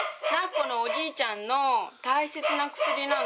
このおじいちゃんの大切な薬なの。